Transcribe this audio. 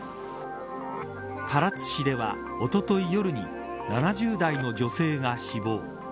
唐津市では、おととい夜に７０代の女性が死亡。